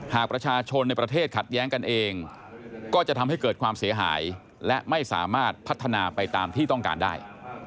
หากประชาชนในประเทศขัดแย้งกันเองก็จะทำให้เกิดความเสียหายและไม่สามารถพัฒนาไปตามที่ต้องการได้